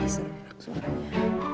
bisa enak suaranya